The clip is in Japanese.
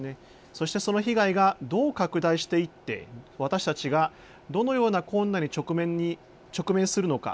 そしてその被害がどう拡大していって私たちがどのような困難に直面するのか